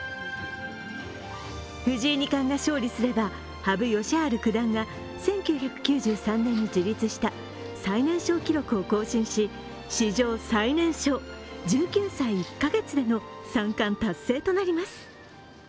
藤井二冠が勝利すれば羽生善治九段が１９９３年に樹立した最年少記録を更新し史上最年少１９歳１カ月での三冠達成となります。